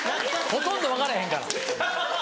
ほとんど分からへんから。